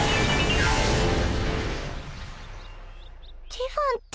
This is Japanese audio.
ティファンって。